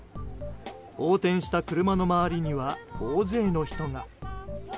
横転した車の周りには大勢の人が。